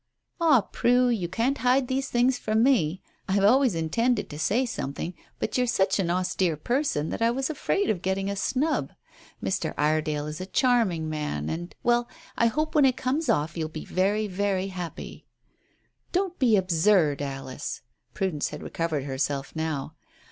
"Ah, Prue, you can't hide these things from me. I have always intended to say something, but you are such an austere person that I was afraid of getting a snub. Mr. Iredale is a charming man, and well I hope when it comes off you'll be very, very happy." "Don't be absurd, Alice." Prudence had recovered herself now.